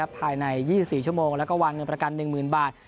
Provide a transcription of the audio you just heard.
ภายใน๒๔ชั่วโมงแล้วก็วางเงินประกัน๑๐๐๐บาท